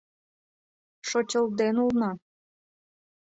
Шочылден улна.